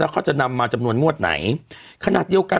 เขาจะนำมาจำนวนงวดไหนขนาดเดียวกัน